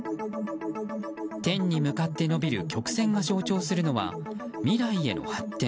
天に向かって伸びる曲線が象徴するのは未来への発展。